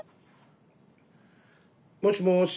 もしもし。